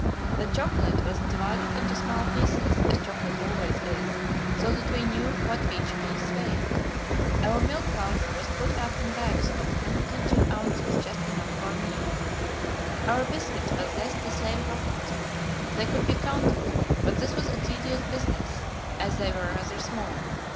The chocolate was divided into small pieces, as chocolate always is, so that we knew what each piece weighed. Our milk powder was put up in bags of 102 ounces just enough for a meal. Our biscuits possessed the same property they could be counted, but this was a tedious business, as they were rather small.